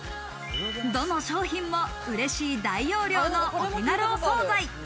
どの商品もうれしい大容量のお手軽お惣菜。